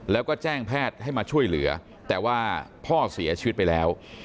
แล้วก็แจ้งแพทย์ให้มาช่วยเหลือแต่ว่าพ่อเสียชีวิตไปแล้ว